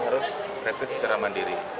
harus rapid secara mandiri